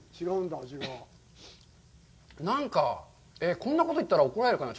なんか、こんなこと言ったら怒られるかな。